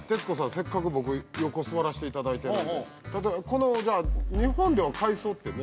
せっかく僕横座らしていただいてるのでこのじゃあ日本では海藻ってね